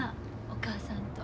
お母さんと。